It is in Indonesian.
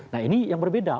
nah ini yang berbeda